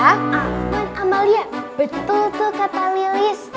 aman amalia betul tuh kata lilis